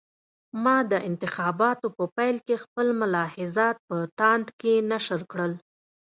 ما د انتخاباتو په پیل کې خپل ملاحضات په تاند کې نشر کړل.